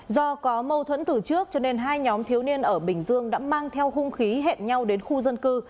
do có mâu thuẫn từ trước cho nên hai nhóm thiếu niên ở bình dương đã mang theo hung khí hẹn nhau đến khu dân cư